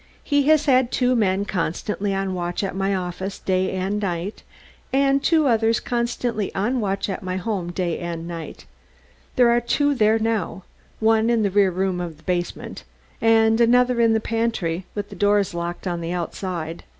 "He has had two men constantly on watch at my office, day and night, and two others constantly on watch at my home, day and night. There are two there now one in a rear room of the basement, and another in the pantry, with the doors locked on the outside.